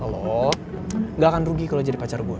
lo gak akan rugi kalo jadi pacar gue